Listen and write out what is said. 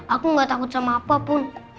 aku gak takut sama apapun